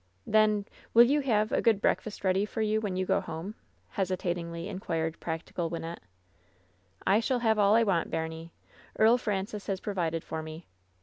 "Then — ^will you have — ^a good breakfast ready for you when you go home?" hesitatingly inquired prac tical Wynnette. "I shall have aU I want, baimie. Earl Francis has provided for me.